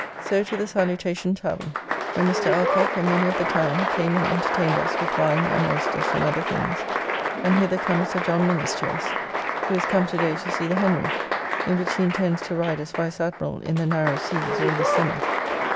So to the Salutacion tavern, where Mr. Alcock and many of the town came and entertained us with wine and oysters and other things, and hither come Sir John Minnes to us, who is come to day to see "the Henery," in which he intends to ride as Vice Admiral in the narrow seas all this summer.